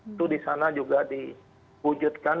itu disana juga diwujudkan